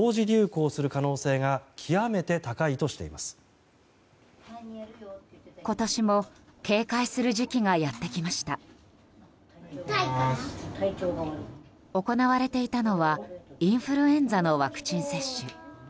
行われていたのはインフルエンザのワクチン接種。